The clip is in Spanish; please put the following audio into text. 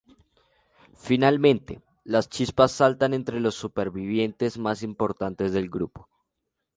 Finalmente, las chispas saltan entre los supervivientes más importantes del grupo.